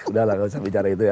udah lah gak usah bicara itu ya